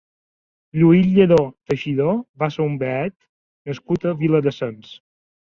Lluís Lladó Teixidor va ser un beat nascut a Viladasens.